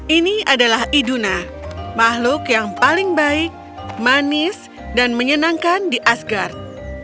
ini adalah iduna makhluk yang paling baik manis dan menyenangkan di asgard